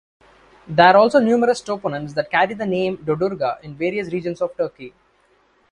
There also numerous toponyms that carry the name Dodurga in various regions of Turkey.